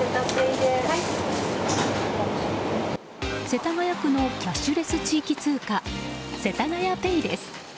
世田谷区のキャッシュレス地域通貨せたがやＰａｙです。